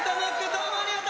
どうもありがとう！